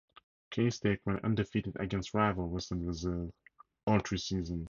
Case Tech went undefeated against rival Western Reserve all three seasons.